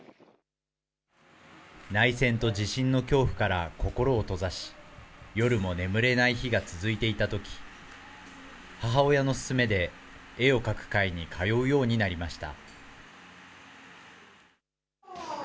内戦と地震の恐怖から心を閉ざし、夜も眠れない日が続いていたとき、母親の勧めで絵を描く会に通うようになりました。